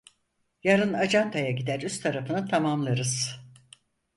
Yarın acentaya gider, üst tarafını tamamlarız!